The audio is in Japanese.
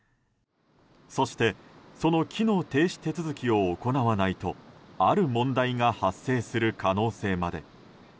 そして、その機能停止手続きを行わないとある問題が発生する可能性まで。